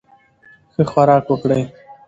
ښه خوراک وکړئ.